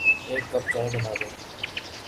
ایک کپ چائے بنادیں